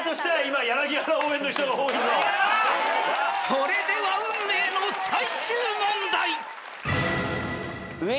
［それでは運命の最終問題！］